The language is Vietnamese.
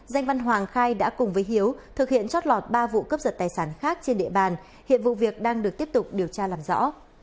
danh văn hoàng khai đã cùng với hiếu thực hiện chót lọt ba vụ cấp giật tài sản khác trên địa bàn hiện vụ việc đang được tiếp tục điều tra làm rõ